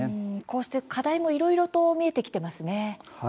課題もいろいろと見えてきていますね。